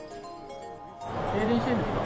停電してるんですか？